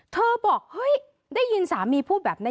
บอกเฮ้ยได้ยินสามีพูดแบบนี้